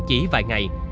chỉ vài ngày